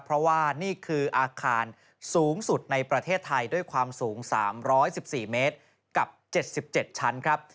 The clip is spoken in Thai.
เพราะว่านี่คืออาคารสูงสุดในประเทศไทยด้วยความสูง๓๑๔เมตรกับ๗๗ชั้นครับ